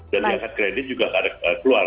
dan di angkat kredit juga ada keluar